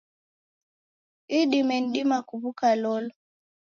Idime nidima kuw'uka lolo?